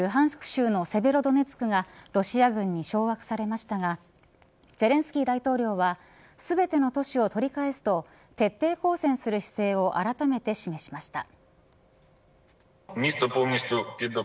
州のセベロドネツクがロシア軍に掌握されましたがゼレンスキー大統領は全ての都市を取り返すと徹底抗戦する姿勢をあらためて示しました。